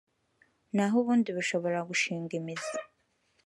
naho ubundi bishobora gushinga imizi